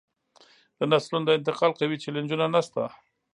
د نسلونو د انتقال قوي چینلونه نشته